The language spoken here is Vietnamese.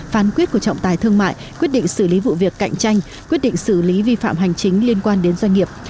phán quyết của trọng tài thương mại quyết định xử lý vụ việc cạnh tranh quyết định xử lý vi phạm hành chính liên quan đến doanh nghiệp